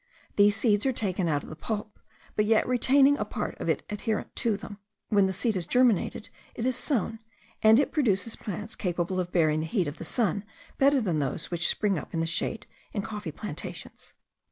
These seeds are taken out of the pulp, but yet retaining a part of it adherent to them. When the seed has germinated it is sown, and it produces plants capable of bearing the heat of the sun better than those which spring up in the shade in coffee plantations.